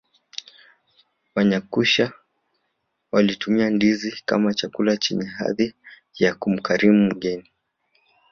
wanyakyusa walitumia ndizi kama chakula chenye hadhi ya kumkarimu mgeni